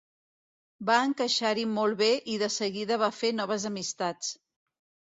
Va encaixar-hi molt bé i de seguida va fer noves amistats.